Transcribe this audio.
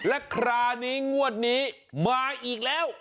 และคลานีงวดหนีมาอีกแล้ว